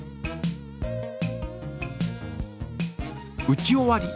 打ち終わり。